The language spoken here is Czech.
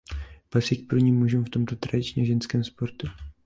Patří k prvním mužům v tomto tradičně ženském sportu.